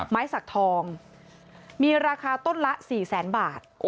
ไม้สักทองมีราคาต้นละ๔แสนบาท